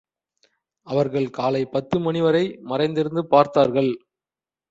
அவர்கள் காலை பத்து மணிவரை மறைந்திருந்து பார்த்தார்கள்.